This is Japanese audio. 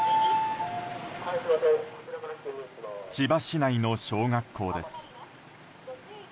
千葉市内の小学校です。